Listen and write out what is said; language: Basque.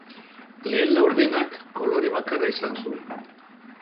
Lehen laurdenak kolore bakarra izan zuen.